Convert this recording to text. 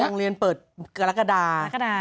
กรุณเลียนเปิดมรดกฎา